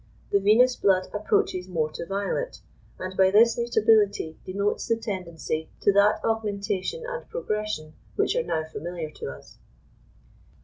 The venous blood approaches more to violet, and by this mutability denotes the tendency to that augmentation and progression which are now familiar to us.